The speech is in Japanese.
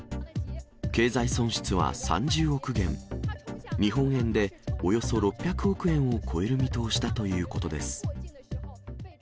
経済損失は３０億元、日本円でおよそ６００億円を超える見通しだということです。